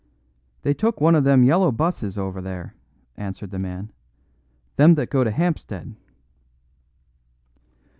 "They took one of them yellow buses over there," answered the man; "them that go to Hampstead."